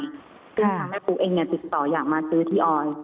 ซึ่งทางแม่ปุ๊กเองเนี่ยติดต่ออยากมาซื้อที่ออย